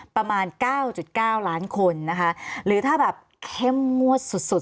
ประมาณ๙๙ล้านคนนะคะหรือถ้าแบบเข้มงวดสุด